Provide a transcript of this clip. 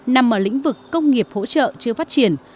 nằm ở lĩnh vực công nghiệp hỗ trợ chưa phát triển